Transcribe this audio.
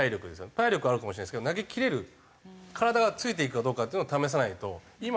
体力はあるかもしれないですけど投げきれる体がついていくかどうかっていうのを試さないと。